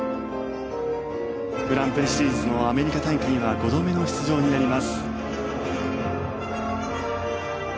グランプリシリーズのアメリカ大会は５度目の出場になります。